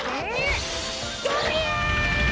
どりゃ！